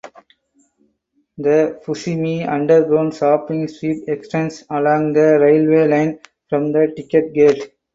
The Fushimi Underground Shopping Street extends along the railway line from the ticket gate.